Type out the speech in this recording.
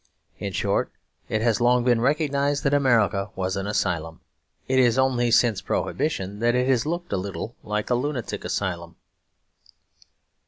In short, it has long been recognised that America was an asylum. It is only since Prohibition that it has looked a little like a lunatic asylum.